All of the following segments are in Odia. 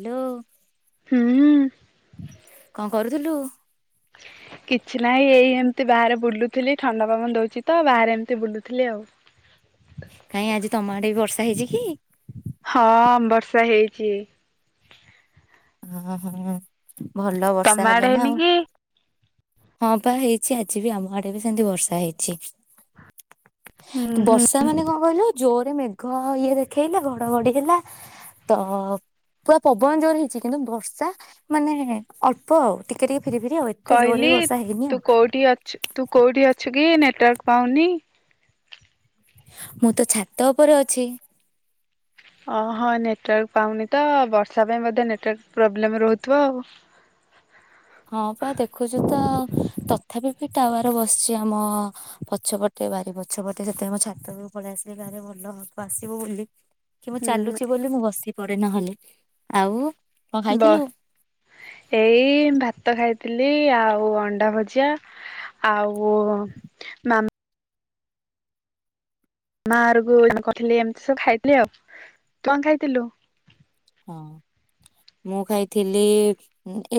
ହାଲୋ। ହୁଁ। କଣ କରୁଥୁଲୁ? କିଛି ନାହିଁ ଏଇ ଏମତି ବାହାରେ ବୁଲୁଥିଲି ଥଣ୍ଡା ପବନ ଦଉଚି ତ ବାହାରେ ଏମିତି ବୁଲୁଥିଲି ଆଉ। କାଇଁ ଆଜି ତମ ଆଡ଼େବି ବର୍ଷା ହେଇଚି କି? ହଁ ବର୍ଷା ହେଇଚି। ହଁ ହଁ। ଭଲ ବର୍ଷା ତମ ହେଲେ ଆଡେ ନା ହେଇନି ଆଉ। କି? ହଁ ପା ହେଇଚି ଆଜି ବି ଆମ ଆଡେ ବି ସେମିତି ବର୍ଷା ହେଇଚି। ହୁଁ ହୁଁ। ବର୍ଷା ମାନେ କଣ କଇଲୁ ଜୋ ରେ ମେଘ ଇଏ ଦେଖେଇଲା ଘଡଘଡି ହେଲା ତ ପୁରା ପବନ ଜୋରେ ହେଇଚି। କିନ୍ତୁ ବର୍ଷା ମାନେ ଅଳ୍ପ ଆଉ ଟିକେ ଟିକେ ଫିରି ଫିରି ଆଉ ଏତେ ଜୋର କହିଲି ବି ବର୍ଷା ହେଇନି ତୁ ଆଉ କୋଉଠି ଅଛୁ ତୁ କୋଉଠି ଅଛୁ କି ନେଟୱାର୍କ ପାଉନି। ମୁଁ ତ ଛାତ ଉପରେ ଅଛି। ଓହଁ ନେଟୱାର୍କ ପାଉନି ତ ବର୍ଷା ପାଇଁ ବୋଧେ ନେଟୱାର୍କ ପ୍ରୋବ୍ଲେମ୍ ରହୁଥିବ ଆଉ। ହଁ ପା ଦେଖୁଛୁ ତ ତଥାପି ବି ଟାୱାର ବସିଛି ଆମ ପଛପଟେ ବାରି ପଛ ପଟେ ସେଥିପାଇଁ ମୁଁ ଛାତ ପଳେଇ ଆସିଲି କାଳେ ଭଲ ଆସିବ ବୋଲି। କି ମୁଁ ହୁଁ ଚାଲୁଚି ବୋଲି ମୁଁ ବସି ପଡେ ନହେଲେ ଆଉ କଣ ଖାଇଥିଲୁ ବସ୍ ଏଇ ଭା ତ ଖାଇଥିଲି ଆଉ ଅଣ୍ଡା ଭଜା ଆଉ ଓ ମା ମା ଅରକୁ କହିଥିଲି ଏମିତି ସବୁ ଖାଇଥିଲି ଆଉ କଣ ଖାଇଥିଲୁ? ହଁ ମୁଁ ଖାଇଥିଲି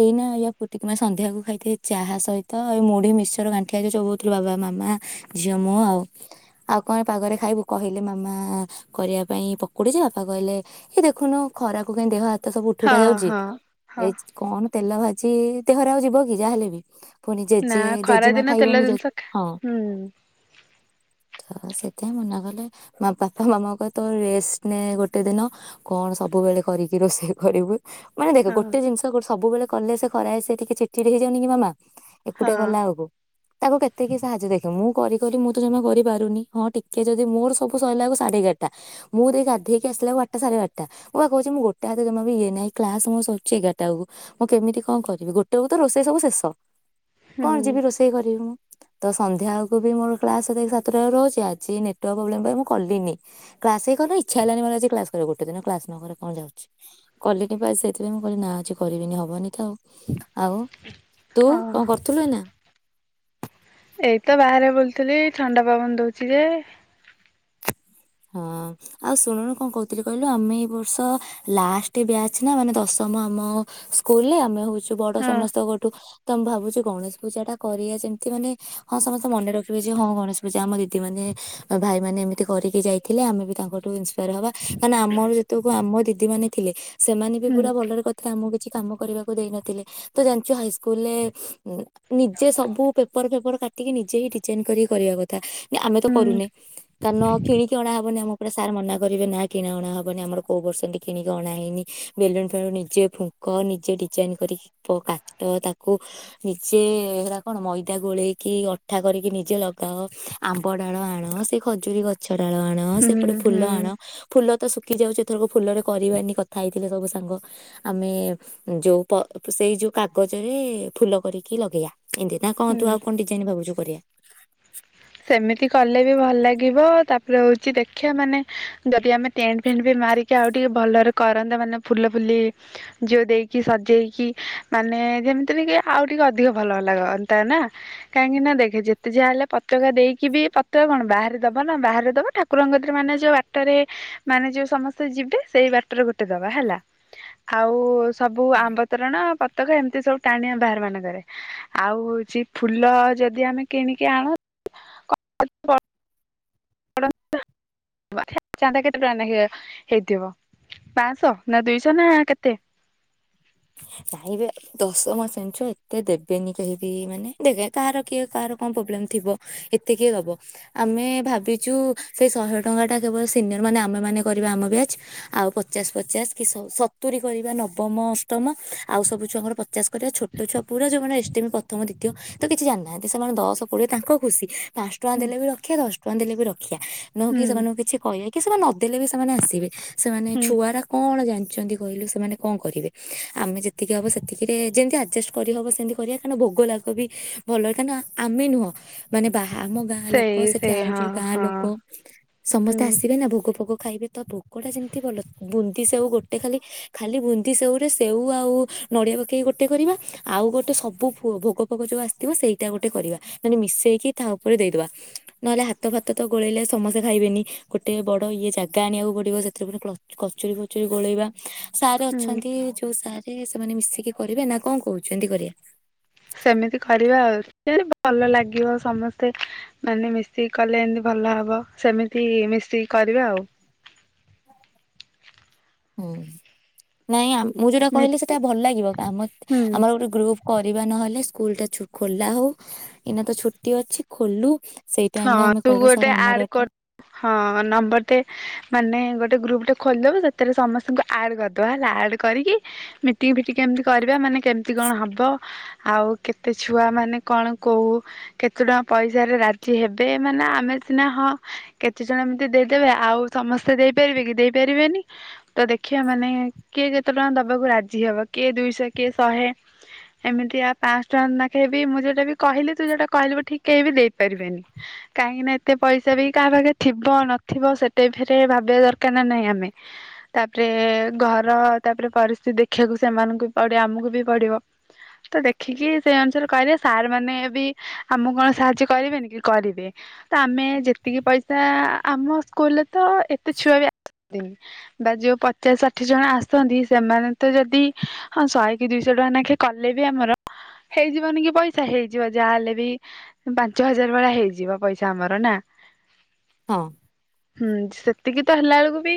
ଏଇନା ଇଆ ପୁଟିକି ନା ସନ୍ଧ୍ୟାକୁ ଖାଇଥିଲି ଚାହା ସହିତ ଏଇ ମୁଢି ମିଶ୍ଚର ଗାଣ୍ଠିଆ ଯୋଉ ଚୋବୋଉଥୁଲୁ ବାବା ମାମା ଝିଅ ମୁଁ ଆଉ ଆଉ କଣ ପାଗରେ ଖାଇବୁ କହିଲେ ମାମା କରିବା ପାଇଁ ପକୁଡ଼ିଯେ ବାପା କହିଲେ ଏ ଦେଖୁନୁ ଖରାକୁ କାଇଁ ଦେହ ହା ତ ସବୁ ଉଠି ହଁ ଉଠା ଯାଉଚି ହଁ ହଁ। ଏଇ କଣ ତେଲ ଭା ଚି ଦେହରେ ଆଉ ଯିବ କି ଯାହାହେଲେ ବି। ପୁଣି ନା ଜେଜେ ଖରା ଜେଜିମା ଦିନ ତେଲ ଖାଇବନି ଜେ ଜିନିଷ ଖା ହଁ ହୁଁ ତ ସେ [unintelligible] ମନା କଲେ ବାପା ମାମାଙ୍କୁ କଇଲେ ତୋର ରେଷ୍ଟ ନେ ଗୋଟେ ଦିନ କଣ ସବୁ ସବୁବେଳେ କରିକି ରୋଷେଇ କରିବୁ। ମାନେ ଦେଖ ହଁ ଗୋଟେ ଜିନିସ୍ ସବୁବେଳେ କଲେ ସେ ଖରାଏ ସେ ଟିକେ ଚିଡ ଚିଡ୍ ହେଇଯାଉନି କି ମାମା ଏକୁଟିଆ ହଁ କଲା ଏଳୁକୁ। ତାକୁ କେତେ କିି ସାହାଯ୍ୟ ଦେଖିବ ମୁଁ କରି କରି ମୁଁ ତ ଜମା କରିପାରୁନି ହଁ ଟିକେ ଯଦି ମୋର ସବୁ ସଇଲାକୁ ସାଢେ ଏଗାରଟା ମୁଁ ଦେଇ ଗାଧେଇକି ଆସିଲାକୁ ବାରଟା ସାଢେ ବାରଟା। ମୁଁ ପା କହୁଚି ମୁଁ ଗୋଟେ ହାତ ଜମା ବି ଇଏ ନାହିଁ ।କ୍ଲାସ ମୋର ସରୁଚି ଏଗାରଟା ବେଳକୁ ମୁଁ କେମିତି କଣ କରିବି ଗୋଟେ ବେଳକୁ ତ ରୋଷେଇ ସବୁ ଶେଷ। କଣ ହୁଁ ଯିବି ରୋଷେଇ କରିବି ମୁଁ। ତ ସନ୍ଧ୍ୟାକୁ ବି ମୋର କ୍ଲାସ ସାତଟାରେ ରହୁଚି ଆଜି ନେଟୱାର୍କ ପ୍ରୋବ୍ଲେମ ପାଇଁ ମୁଁ କଲିିନି କ୍ଲାସ ହେଇ [unintelligible] ଇଛା ହେଲାନି ମୋର ଆଜି କ୍ଲାସ କରିବାକୁ ଗୋଟେ ଦିନ କ୍ଲାସ। ରେ କଣ ଯାଉଛି କଲିନି ସେଥିପାଇଁ ମୁଁ କହିଲି ନାଁ ଆଜି କରିବିନି ହବନି। ଆଉ ତୁ ହଁ କଣ କରୁଥିଲୁ ନା ଏଇତ ବାହାରେ ବୁଲୁଥିଲି ଥଣ୍ଡା ପବନ ଦଉଛି ଯେ। ହଁ ଆଉ ଶୁଣୁନୁ କଣ କହୁଥିଲି କହିଲୁ ଆମେ ଏଇ ବର୍ଷ ଲାଷ୍ଟ ବ୍ୟାଚ ନା ମାନେ ଦଶମ ଆମ ସ୍କୁଲରେ ଆମେ ହଉଛୁ। କିୁ ବଡ ହଁ ସମସ୍ତଙ୍କଠୁ ତ ମୁଁ ଭାବୁଛି ଗଣେଶ ପୂଜା ଟା କରିବା ଯେମିତି ମାନେ ହଁ ସମସ୍ତେ ମନେ ରଖିବେ ଯେ ହଁ ଗଣେଶ ପୂଜା ଆମ ଦିଦି ମାନେ ଭାଇ ମାନେ ଏମିତି କରିକି ଯାଇ ଥିଲେ ଆମେ ତାଙ୍କଠୁ ହବା କାର ଆମ ଯେତେ ଆମ ଦିଦ ମାନେ ଥିଲେ ସେମାନେ ବି ହୁଁ ପୁରା ଭଲରେ କଥା ଆମକୁ କିଛି କାମ କରିବାକୁ ଦେଇ ନଥିଲେ ତ ଜାଣିଛୁ ହାଇସ୍କୁଲ ରେ ନିଜେ ସବୁ ପେପର ଫେପର କାଟିକି ନିଜେ ହିଁ ଡିଜାଇନ କରିକି କରିବା କଥା। ଆମେ ତ ହୁଁ କରୁନେ କାରଣ କିଣ ବ ଆମର ଗୋଟେ ସାର୍ ମନା କରିବେ ନା କିଣା ଅଣା ହେବନି ଆମର କୋଉ ବର୍ସ କିଣି ଅଣା ହେନି ବେଲୁନ୍ ଫେଲୁନ୍ ନିଜେ ଫୁଙ୍କ ନିଜେ ଡିଜାଇନ କରି କାଚ ତାକୁ ନିଜେ ହେରା କଣ ମଇଦା ଗୋଳେଇକି ଅଠା କରିକି ନିଜେ ଲଗାଅ ଆମ୍ବ ଡାଳ ଆଣ ସେ ଖଜୁରୀ ଗଛ ଛଡାଳ ଆଣ ହୁଁ ସେପଟେ ଫୁଲ ହୁଁ ଆଣ ଫୁଲ ତ ଶୁଖି ଯାଉଛିଥରକୁ। ଫୁଲରେ କରିବାନି କଥା ହେଇ ଥିଲେ ସବୁ ସାଙ୍ଗ ଆମେ ଯୋଉ ସେଇ ଯୋଉ କାଗଜରେ ଫୁଲ କରିକି ଲଗେଇବା। ଏମିତି ତା କହନ୍ତୁ ହୁଁ ଆଉ କଣଡିଜାଇନ ଭାବୁ କରିବାରେ ସେମିତି କଲେ ବି ଭଲ ଲାଗିବ ତାପରେ ହଉଛି ଦେଖିବା ମାନେ ଯଦି ଆମେ ଟେଣ୍ଟ ଫେଣ୍ଟ ବି ମାରିକି ଆଉ ଟିକେ ଭଲରେ କରନ୍ତା ମାନେ ଫୁଲ ଫୁଲି ଜି ଦେଇକି ସଜେଇକି ମାନେ ଯେମିତି ଆଉ ଟିକେ ଅଧିକ ଭଲ ଲାଗନ୍ତା ନା। କାହିଁକି ନା ଦେଖେ ଯେତେ ଯାହା ହେଲେ ଟକା ଦେଇକି ବି ପତ୍ର କଣ ବାହାରେ ଦବ ନା ବାହାରେ ଦବ ଠାକୁରଙ୍ଗତ ମାନେ ଯୋଉ ବାଟରେ ମାନେ ଯୋଉ ସମସ୍ତେ ଯିବେ ସେଇ ବାଟରେ ଗୋଟେ ଦବା ହେଲା ଆଉ ସବୁ ଆମ୍ବତରଣ ତକ ଏମିତି ସବୁ ଟାଣିବା ବାହାର ମାନଙ୍କରେ ଆଉ ହଉଛି ଫୁଲ ଯଦି ଆମେ କିଣିକି ଆଣ [inaudible] [inaudible] ଚାନ୍ଦା କେତେ ଟଙ୍କା ହେଇଥିବ ପାଞ୍ଚଶହ ନା ଦୁଇଶହ ନା କେତେ? କାଇଁବେ ଦଶ ମାସେଣ୍ ଏତେ ଦେବେନି କେହିବି ମାନେ ଦେଖ କାହାର କିଏ କାହାର କଣ ପ୍ରୋବ୍ଲେମ ଥିବ ଏତେ କିଏ ଦବ ଆମେ ଭାବିଛୁ ସେ ଶହେ ଟଙ୍କା ଟା କେବଳ ସିନିୟର ମାନେ ଆମେ ମାନ କରିବା ଆମ ବ୍ୟାଚ ଆଉ ପଚାଶ ପଚାଶ କି ସତୁରି କରିବା ନବମ ତମ ଆଉ ସବୁ ଛୁଆଙ୍କର ପଚାଶ କରିବା ଛୋଟ ଛୁଆ ପୁରା ଯୋଉମାନେ ଏଷ୍ଟମୀ ପ୍ରଥମ ଦ୍ୱତୀୟ ତ କିଛି ଜାଣିନାହାନ୍ତି ସେମାନେ ଦଶ କୋଡ଼ିଏ ତାଙ୍କ ଖୁସି ପାଞ୍ଚ ଟଙ୍କା ହୁଁ ଦେଲେ ବି ରଖିବା ଦଶ ଟଙ୍କା ଦେଲେ ବି ରଖ ରଖଆ ନହଁ କି ହୁଁ ସେମାନଙ୍କୁ କିଛି କହିବା କି ସେମାନେ ଦେଲେ ବି ସେମାନେ ଆସିବେ। ସେମାନେ ହୁଁ ଛୁଆର କଣ ଜାଣି ଛନ୍ତି କହିଲୁ ସେମାନେ କଣ କରିବେ? ଆମେ ଯେତିକି ହବ ସେତିକିରେ ଯେମିତି ଆଡଜଷ୍ଟ କରିହବ ସେମତି କରିବା କ ଭୋଗ ଲାଗବ ବି ଭଲରେ କାଁକ ନା ଆମେ ନୁହଁ ମାନେ ବା ଆମ ଗାଁ ଲୋକ ସେଇ ସେଠି ସେଇ ଆଉ ହଁ ଯୋଉ ଗାଁ ହଁ ଲୋକ ସମସ୍ତେ ହୁଁ ଆସିବେ ନା ଭୋଗ ଫୋଗ ଖାଇବେ ତ ଭୋଗଟା ଯେମିତି ଭଲ ବୁନ୍ଦି ସେଉ ଗୋଟେ ଖାଲି ଖାଲି ବୁନ୍ଦି ସେଓ ରେ ସେଉ ଆଉ ନଡିଆ ପକେଇ ଗୋଟେ କରିବା ଆଉ ଗୋଟେ ସବୁ ଭୋଗ ଫୋଗ ଯୋଉ ଆସିିବ ସେଇଟା ଗୋଟେ କରିବା ମିଶେଇକି ତା ଉପରେ ଦେଇଦବା ନହେଲେ ହାତ ଫାତ ତ ଗୋଳେଇଲେ ସମସ୍ତେ ଖାଇବେନି ଗୋଟେ ବଡ ଇଏ ଜାଗା ଆଣିବାକୁ ପଡିବ ସେଥିରେ ଗ କଚୁରୀ ଫଚୁରୀ ଗୋଳେଇବା ସାର୍ ହୁଁ ଅଛନ୍ତି ଯୋଉ ସାରେ ସେମାନେ ମିଶିକି କରିବେ ନା କଣ କହୁଛନ୍ତି କରିବା। ସେମିତି କରିବା ଆଉ। ଭଲ ଲାଗିବ ସମସ୍ତେ ମାନେ ମିଶିକି କଲେ ଏମିତି ଭଲ ହବ ସେମିତି ମିଶିକି କରିବା ଆଉ। ହୁଁ ନାଇଁ ଆ ମୁଁ ଯୋଉଟା କହିଲି ମିଟି ସେଟା ଭଲ ଲାଗିବ ହୁଁ ଆମର ଗୋଟେ ଗ୍ରୁପ କରିବା ନହେଲେ ସ୍କୁଲ ଟା ଖୋଲା ହଉ ଏଇନା ତ ଛୁଟି ଅଛି ଖୋଲୁ ସେଇ ଟାଇମ ହଁ ରେ ଆମେ ତୁ କହିବା ସାର୍ ଗୋଟେ ଆମର ଆଡ ଏଟା କର ହଁ ନମ୍ବରଟେ ମାନେ ଗୋଟେ ଗୋଟେ ଗ୍ରୁପ ଟା ଖୋଲିଦେବ ସେଥିରେ ସମସ୍ତଙ୍କୁ ଆଡ କରିଦବା ହେଲା ଆଡ କରିକି ମିଟିଙ୍ଗ ଫିଟି ଏମିତି କରିବା ମାନେ କେମିତି କଣ ହବ ଆଉ କେତେ ଛୁଆ ମାନେ କଣ କହୁ କେତେ ଟଙ୍କା ପଇସାରେ ହେବେ ମାନେ ଆମେ ସିନା ହଁ କେତେ ଜଣ ଏମିତି ଦେଇଦେବେ ଆଉ ସମସ୍ତେ ଦେଇପାରିବେ କି ଦେଇପାରିବେନି ତ ଦେଖିବା ମାନେ କିଏ କେତେ ଟଙ୍କା ଦେବାକୁ ରାଜି ହବ କିଏ ଦୁଇଶହ କିଏ ଶହେ ଏମିତି ଆ ପାଞ୍ଚ ଟଙ୍କା ନ ଖାଇବି ମୁଁ ଯେଉଁଟା ବି କହିଲି ତୁ ଯୋଉଁଟା କହିଲୁ ଠିକ କହିବି ଦେଇ କାହିଁକି ନା ଏତେ ପଇସା ବି କାହା ପାଖରେ ଥିବ ନଥିବ ସେଟା ଫରେ ଭାବିବା ଦରକାର ନା ନହିଁ ।ଆମେ ତାପରେ ଘର ତାପରେ ପରିସ୍ଥିତି ଦେଖିବାକୁ ସେମାନଙ୍କୁ ପଡିବ ଆମକୁ ବି ପଡିବ ତ ଦେଖିକି ସେଇ ଅନୁସାରେ କହିଲେ ସାର୍ ମାନେ ବି ଆମକୁ କଣ ସାହାଯ୍ୟ କରିବେନି କି କରିବେ ତ ଆମେ ଯେତିକି ପଇସା ଆମ ସ୍କୁଲରେ ତ ଏତେ ଛୁଆ ବି ଆ ବା ଯୋଉ ପଚାଶ ଷାଠିଏ ଜଣ ଆସନ୍ତି ସେମାନେ ତ ଯଦି ହଁ ଶହେ କି ଦିଇଶହ ଟଙ୍କା ନଖେ କଲେ ବି ଆମର ହେଇଯିବନି କି ପଇସା ହେଇଯିବ ଯାହାହଲେ ବି ପାଞ୍ଚ ହଜାର ଭଳିଆ ହେଇଯିବ ପଇସା ଆମର ନା ହଁ ହୁଁ ସେ ସେତିକି ତ ହେଲା ବେଳକୁ ବି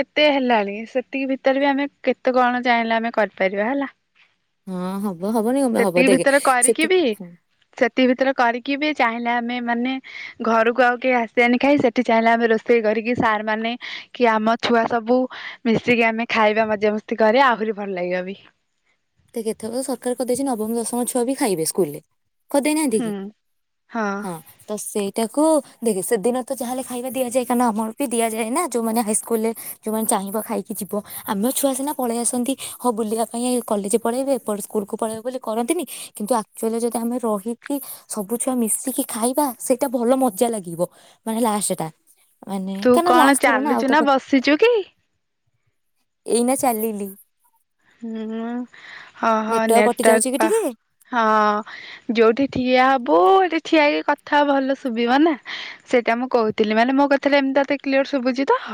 କେତେ ହେଲାଣି ସେତିକି ଭିତରେ ବି ଆମେ କେତେ କଣ ଚାହିଁଲେ ଆମେ କରିପାରିବା ହେଲା। ହଁ ହବ ହବନି କଣ ପାଇଁ ହବ ସେତିକି ଦେଖେ ଭିତରେ କରିକି ସେତିକି ବି ହଁ ସେତିକି ଭିତରେ କରିକି ଚାହିଁଲେ ଆମେ ମାନେ ଘରକୁ ଆଉ କେହି ଆସିବାନି ଖାଇ ସେଠି ଚାହିଁଲେ ଆମେ ରୋଷେଇ କରିକି ସାର୍ ମାନେ କି ଆମ ଛୁଆ ସବୁ ମିଶିକି ଆମେ ଖାଇବା ମଜାମସ୍ତି କରିବା ଆହୁରି ଭଲ ଲାଗିବ ବି। ଦେଖେ ଏଥର ତ ସରକାର କରିଦେଇଛି ନବମ ଦଶମ ଛୁଆ ବି ଖାଇବେ ସ୍କୁଲ ରେ କରିଦେଇନାହାନ୍ତି ହୁଁ କି ହଁ ତ ସେଇଟାକୁ ଦେଖେ ସେଦିନ ତ ଯାହାହେଲେ ଖାଇବା ଦିଆଯାଏ କାରଣ ଆମର ବି ଦିଆଯାଏ ନା ଯୋଉମାନେ ହାଇସ୍କୁଲ ରେ ଯୋଉମାନେ ଚାହିଁବ ଖାଇକି ଯିବ ଆମ ଛୁଆ ସିନା ପଳେଇଆସନ୍ତି ହଉ ବୁଲିବା ପାଇଁ କଲେଜ ପଳେଇବେ ଏପଟ ସ୍କୁଲକୁୁ ପଳେଇବେ ବୋଲି କରନ୍ତିନି କିନ୍ତୁ ଆକ୍ଚୁଆଲି ଯଦି ଆମେ ରହିକି ସବୁ ଛୁଆ ମିଶିକି ଖାଇବା ସେଇଟା ଭଲ ମଜା ଲାଗିବ ମାନେ ଲାଷ୍ଟ ଟା। ମାନେ ତୁ କାରଣ କଣ ଲାଷ୍ଟ ଥର ଆଉ ତ ଚାଲୁଛୁ ନା ବସିଛୁ କି? ଏଇନା ଚାଲିଲି ହୁଁ ହଁ ହଁ କଟି ନେଟୱାର୍କ ଯାଉଛି କି ପା ଟିକେ ହଁ ଯୋଉଠି ଠିଆ ହବୁ। ଠିଆ ହେଇକି କଥା ଭଲ ଶୁଭିବ ନା ସେଇଟା ମୁଁ କହୁଥିଲି ମାନେ ମୋ କଥାଟା ଏମିତି ତତେ କ୍ଲିୟର ଶୁଭୁଛି ତ।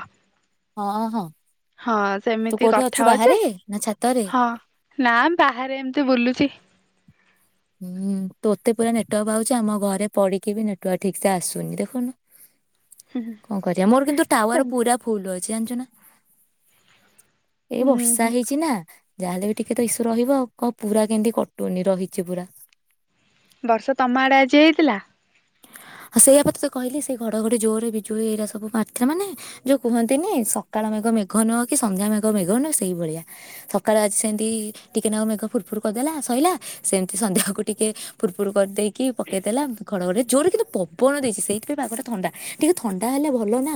ହଁ ହଁ ହଁ ତୁ ସେମିତି କୋଉଠି କଥା ଅଛୁ ହଉ ଯେ ବାହାରେ ନା ଛା ହଁ ନା ବାହାରେ ଏମତି ବୁଲୁଛି। ହୁଁ ତୋତେ ପୁରା ନେଟୱାର୍କ ପାଉଛି ଆମ ଘରେ ପଡିକି ବି ନେଟୱାର୍କ ଠିକ ସେ ଆସୁନି ଦେଖୁନୁ। କଣ କରିବା ମୋର କିନ୍ତୁ ଟାୱାର ପୁରା ଫୁଲ ଅଛି। ଜାଣିଛୁ ନା। ଏଇ ହୁଁ ବର୍ଷା ହୁଁ ହେଇଛି ନା। ଯାହାହେଲେ ବି ଟିକେ ତ ଇସୁ ରହିବ କହ ପୁରା କେମିତି କଟୁନି ରହି ରହିଛି ପୁରା। ବର୍ଷା ତମ ଆଡେ ଆଜି ହେଇଥିଲା। ସେଇଆପା ତତେ କହିଲି ସେ ଘଡଘଡି ଜୋରେ ବିଜୁଳି ଏଇଟା ସବୁ ମାରିଥିଲା ମାନେ ଯୋଉ କୁହନ୍ତିନି ସକାଳ ମେଘ ମେଘ ନୁହ କି ସନ୍ଧ୍ୟା ମେଘ ମେଘ ନୁହ ସେଇଭଳିଆ ସକାଳେ ଆଜି ସେମିତି ଟିକେ ନାକୁ ମେଘ ଫୁୁରଫୁୁର କରିଦେଲା ସରିଲା ସେମିତି ସନ୍ଧ୍ୟାକୁ ଟିକେ ଫୁରଫୁୁର କରିଦେଇକି କି ପକେଇ ଦେଲା ଘଡ଼ଘଡ଼ି ଜୋରେ କିନ୍ତୁ ପବନ ଦେଇଛି ସେଇଥିପାଇଁ ପାଗଟା ଥଣ୍ଡା ଟିକେ ଥଣ୍ଡା ହେଲେ ଭଲ ନା।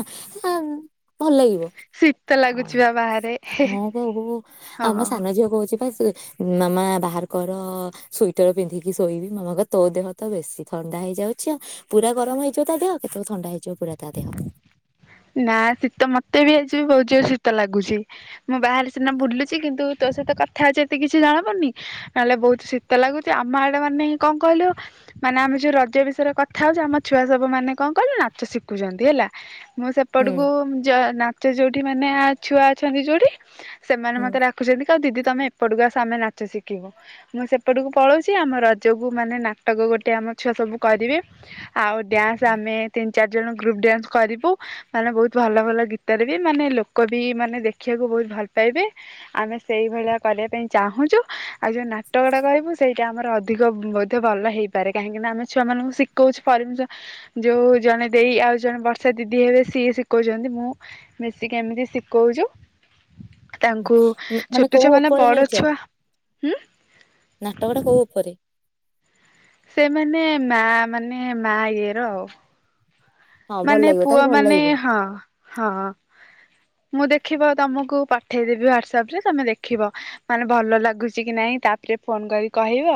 ଭଲ ଲାଗିବ ଶୀତ ଆଉ ଲାଗୁଛି ବା ବାହାରେ ହଁ କବ ଆମ ହଁ। ସାନ ଝିଅ କହୁଛି ପା ମାମା ବାହାରକର ସ୍ଵିଟର ପିନ୍ଧିକି ଶୋଇବି ମାମାଙ୍କ ତୋ ଦେହ ତ ବେଶି ଥଣ୍ଡା ହେଇଯାଉଛି। ପୁରା ଗରମ ହେଇଯିବ ତା ଦେହ କେତେବେଳେ ଥଣ୍ଡା ହେଇଯିବ ପୁରା ତା ଦେହମ୍। ନା ଶୀତ ମତେ ବି ଆଜିବି ବହୁତ ଜୋରେ ଶୀତ ଲାଗୁଛି ମୁଁ ବାହାରେ ସିନା ବୁଲୁଛି କିନ୍ତୁ ତୋ ସହିତ କଥା ହଉଛି ଏତେ କିଛି ଜଣା ପଡୁନି ନହେଲେ ବହୁତ ଶୀତ ଲାଗୁଛି ଆମ ଆଡେ ମାନେ କଣ କହିଲୁ ମାନେ ଆମେ ଯୋଉ ରଜ ବିଷୟରେ କଥା ହଉଛି ଆମ ଛୁଆ ସବୁ ମାନେ କଣ କହିଲୁ ନାଚ ଶିଖୁଛନ୍ତି ହେଲା। ମୁଁ ହୁଁ ସେପଟକୁ ଯଏନ ସେ ଯୋଉଠି ମାନେ ଆ ଛୁଆ ଅଛନ୍ତି ଯୋଉଠି। ସେମାନେ ହୁଁ। ମତେ ଡାକୁଛନ୍ତି। ତ ଦିଦି ତମେ ଏପଟକୁ ଆସ ଆମେ ନାଚ ଶିଖିବୁ ମୁଁ ସେପଟକୁ ପଳଉଛି ଆମ ରଜକୁ ମାନେ ନାଟକ ଗୋଟେ ଆମ ଛୁଆ ସବୁ କରିବ। ଆଉ ଡ୍ଯାନ୍ସ ଆମେ ତି ଚାରିଜଣ ଗ୍ରୁପ୍ ଡ୍ୟାନ୍ସ କରିବୁ। ମାନେ ବହୁତ ଭଲ ଭଲ ଗୀତରେ ବି ମାନେ ଲୋକ ବି ମାନେ ଦେଖିବାକୁ ବହୁତ ଭଲ ପାଇବେ ଆମେ ସେଇଭଳିଆ କରିବା ପାଇଁ ଚାହୁଁଛୁ ଆଉ ଯୋଉ ନାଟକ ଟା କରିବୁ ସେଇଟା ଆମର ଅଧିକ ବୋଧେ ଭଲ ହେଇପାରେ କାହିଁକି ନା ଆମେ ଛୁଆ ମାନଙ୍କୁ ଶିଖଉଛୁ ପରମିସନ ଯୋଉ ଜଣେ ଦେଇ ଆଉ ଜଣେ ବର୍ଷା। ଦିଦି ହେବେ ସିଏ ଶିଖଉଛନ୍ତି ମୁଁ ମିଶିକି ଏମିତି ଶିଖଉଛୁ। ତାଙ୍କୁ ମାନେ ଛୋଟ ଛୁଆ କୋଉ ମାନେ ଉପରେ ବଡ଼ ନେଇଛ ଛୁଆ ହୁଁ ନାଟକ ଟା କଉ ଉପରେ। ସେମାନେ ମା ମାନେ ମା ଇଏର ଆଉ। ହଁ ଭଲ ମାନେ ଲାଗିବ ତାର ପୁଅ ଭଲ ମାନେ ଲାଗିବ। ହଁ ହଁ ମୁଁ ଦେଖିବ ତମକୁ ପଠେଇଦେବି ହ୍ଵାଟସଆପ ରେ ତମେ ଦେଖିବ ମାନେ ଭଲ ଲାଗୁଛି କି ନାଇଁ ତାପରେ ଫୋନ କରି କହିବ।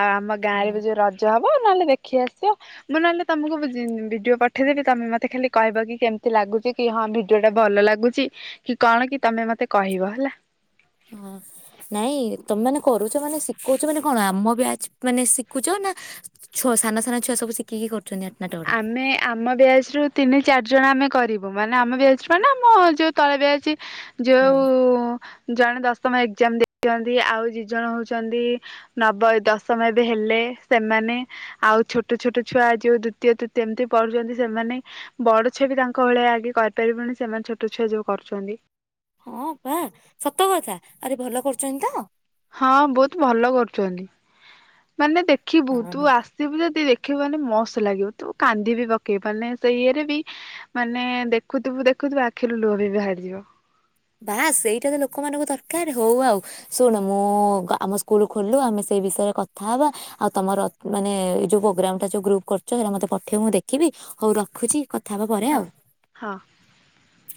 ଆଉ ଆମ ଗାଁ ରେ ହଁ। ବି ଯୋଉ ରଜ ହବ ନହେଲେ ଦେଖ ଦେଖି ଆସିବ ମୁଁ ନହେଲେ ତମକୁ ବିଜି -ଭିଡିଓ ପଠେ ଉଠେଇଦେବି ତମେ ମତେ ଖାଲି କହିବ କି କେମିତି ଲାଗୁଛି କି ହଁ ଭିଡିଓ ଟା ଭଲ ଲାଗୁଛି କି କଣ କି ତମେ ମତେ କହିବ ହେଲା। ନାଇଁ ତମେ ମାନେ କରୁଛ ମାନେ ଶିଖଉଛ ମାନେ କଣ ଆମ ବ୍ୟାଚ ମାନେ ଶିଖୁଛ ନା ଛୁଆ ସାନ ସାନ ଛୁଆ ସବୁ ଶିଖିକି କରୁଛ। ଆମେ ଆମ ବ୍ୟାଜରୁୁ। ତିନି ଚାରି ଜଣ ଆମେ କରିବୁ ମାନେ ଆମେ ବ୍ୟାଚ ମାନେ ଆମ ଯୋଉ ତଳ ବ୍ୟାଚ। ଯଉ ହୁଁ। ଜଣେ ଦଶମ ଏକ୍ଜାମ ଦେଇଛନ୍ତି ଆଉ ଦି ଜଣ ହଉଛନ୍ତି ନବ ଦଶମ ଏବେ ହେଲେ ସେମାନେ ଆଉ ଛୋଟ ଛୋଟ ଛୁଆ ଯଉ ଦୁ ଦ୍ୱିତୀୟ ତୃତୀୟ ଏମତି ପଢୁଛନ୍ତି ସେମାନେ ବଡ ଛୁଆ ବି ତାଙ୍କ ଭଳିଆ ଆଗେ କରିପାରିବୁନି ସେମାନେ ଛୋଟ ଛୁଆ ଯୋଉ କରୁଛନ୍ତି। ହଁ ପା ସତ କଥା ଆରେ ଭଲ କରୁଛନ୍ତି ତ। ହଁ ବହୁତ ଭଲ କରୁଛନ୍ତି। ମାନେ ଦେଖିବୁ ତ। ତୁ ଆସିବୁ ଯଦି ଦେଖି ଆସିବୁ ମାନେ ମସ୍ତ ଲାଗିବ ତୁ କାନ୍ଦି ବିି ପକେଇବୁ ମାନେ ସେଇରେ ବି ମାନେ ଦେଖୁଥିବୁ ଦେଖୁଥିବୁ ଆଖିରୁ ଲୁହ ବି ବାହାରିଯିବ। ବା ସେଇଟା ତ ଲୋକମାନଙ୍କ ଦରକାର ହଉ ଆଉ ଶୁଣ ମୁଁ ଆମ ସ୍କୁଲ ଖୋଲୁ ଆମେ ସେଇ ବିଷୟରେ କଥାହବା ଆଉ ତମର ମାନେ ଏ ଯୋଉ ପ୍ରୋଗ୍ରାମ ଟା ଯୋଉ ଗ୍ରୁପ କରୁଛ ହେରା ମତେ ପଠେଇବ ମୁଁ ଦେଖିବି ହଉ ରଖୁଛି। କଥା ହବା ପରେ ହଁ ଆଉ ହଁ।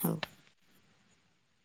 ହଉ।